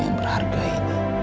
yang berharga ini